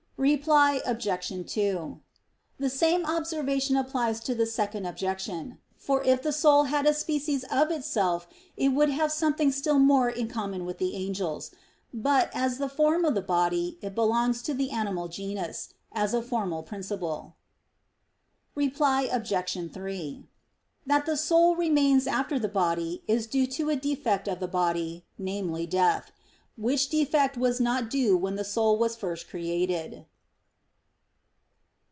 Reply Obj. 2: The same observation applies to the second objection. For if the soul had a species of itself it would have something still more in common with the angels. But, as the form of the body, it belongs to the animal genus, as a formal principle. Reply Obj. 3: That the soul remains after the body, is due to a defect of the body, namely, death. Which defect was not due when the soul was first created.